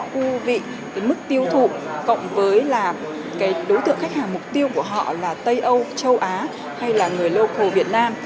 chúng tôi sẽ có mức tiêu thụ cộng với đối tượng khách hàng mục tiêu của họ là tây âu châu á hay là người local việt nam